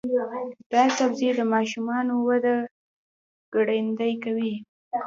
دا سبزی د ماشومانو وده ګړندۍ کوي.